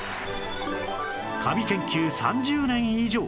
カビ研究３０年以上！